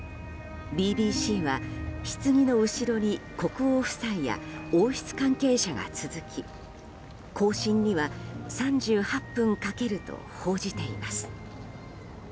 ＢＢＣは、ひつぎの後ろに国王夫妻や王室関係者が続き行進には３８分かけると報じています。